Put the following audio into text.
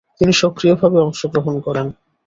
তিনি সক্রিয়ভাবে অংশগ্রহণ করেন।